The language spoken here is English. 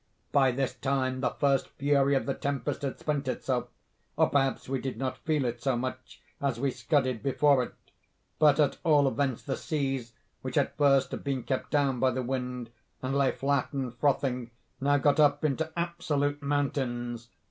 "By this time the first fury of the tempest had spent itself, or perhaps we did not feel it so much, as we scudded before it, but at all events the seas, which at first had been kept down by the wind, and lay flat and frothing, now got up into absolute mountains.